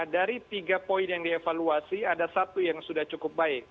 dari tiga poin yang dievaluasi ada satu yang sudah cukup baik